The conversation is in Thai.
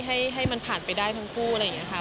ให้มันผ่านไปได้ทั้งคู่อะไรอย่างนี้ค่ะ